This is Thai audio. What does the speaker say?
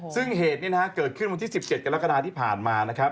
ซึ่งเหตุเกิดขึ้นวันที่๑๗กรกฎาที่ผ่านมา